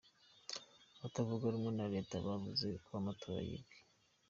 Abatavuga rumwe na leta bavuze ko amatora yibwe.